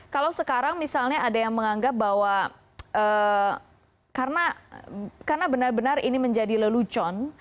kalau sekarang misalnya ada yang menganggap bahwa karena benar benar ini menjadi lelucon